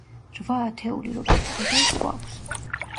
რვა ათეული, როგორც ხედავთ, გვაქვს.